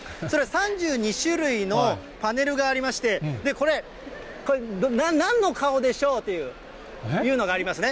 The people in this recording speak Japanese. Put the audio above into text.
３２種類のパネルがありまして、これ、なんの顔でしょうというのがありますね。